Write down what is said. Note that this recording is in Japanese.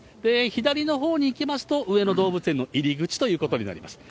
左のほうに行きますと、上野動物園の入り口ということになります。